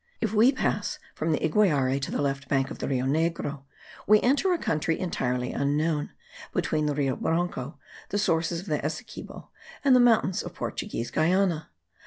If we pass from the Iquiare to the left bank of the Rio Negro, we enter a country entirely unknown, between the Rio Branco, the sources of the Essequibo, and the mountains of Portuguese Guiana.